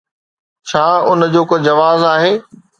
ڇا ان جو ڪو جواز آهي؟